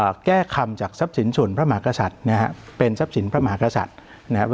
แก้คำจากทรัพย์สินส่วนพระมหากษัตริย์นะฮะเป็นทรัพย์สินพระมหากษัตริย์นะครับ